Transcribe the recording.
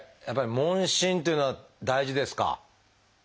やっぱり問診っていうのは大事ですか？